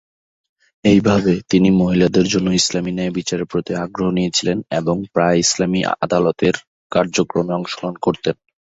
এইভাবে, তিনি মহিলাদের জন্য ইসলামী ন্যায়বিচারের প্রতি আগ্রহ নিয়েছিলেন এবং প্রায়ই ইসলামী আদালতের কার্যক্রমে অংশগ্রহণ করতেন।